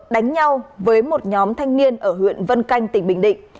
đánh nhau với một nhóm thanh niên ở huyện vân canh tỉnh bình định